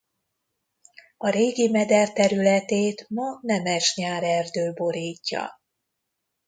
A régi meder területét ma nemesnyár-erdő borítja.